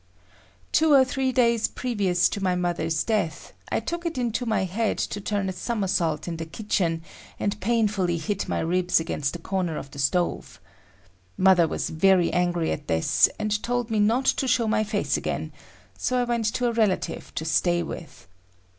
Two or three days previous to my mother's death, I took it into my head to turn a somersault in the kitchen, and painfully hit my ribs against the corner of the stove. Mother was very angry at this and told me not to show my face again, so I went to a relative to stay with.